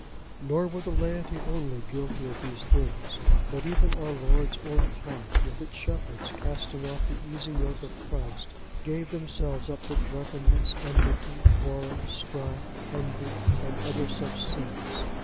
Nor were the laity only guilty of these things, but even our Lord's own flock, with its shepherds, casting off the easy yoke of Christ, gave themselves up to drunkenness, enmity, quarrels, strife, envy, and other such sins.